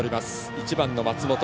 １番の松本。